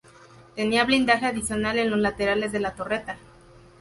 Tenía blindaje adicional en los laterales de la torreta.